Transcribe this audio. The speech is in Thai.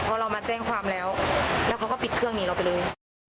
พอเรามาแจ้งความแล้วแล้วเขาก็ปิดเครื่องหนีเราไปเลย